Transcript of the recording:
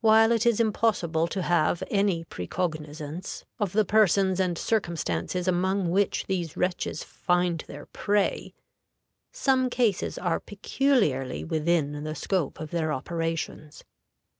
While it is impossible to have any precognizance of the persons and circumstances among which these wretches find their prey, some cases are peculiarly within the scope of their operations.